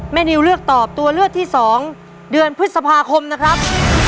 นิวเลือกตอบตัวเลือกที่๒เดือนพฤษภาคมนะครับ